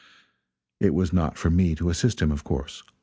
It was not for me to assist him, of course.